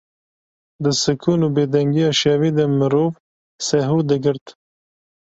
Di sikûn û bêdengiya şevê de mirov sehiw digirt.